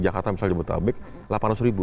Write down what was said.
jakarta misalnya jabodetabek delapan ratus ribu